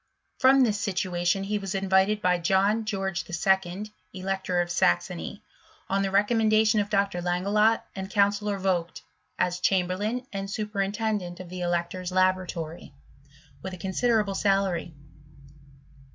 From this situa tion he was invited, by John George 11., Elector of Saxony, on the recommendation of Dr. Langelott and Counsellor Vogt, as chamberlain and superintendent of the elector's laboratory, with a considerable salary.